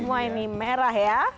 semua ini merah ya